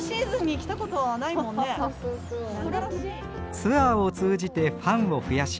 ツアーを通じてファンを増やし